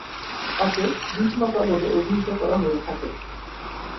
তাকে 'বীজ মাতা' বলে অভিহিত করা হয়ে থাকে।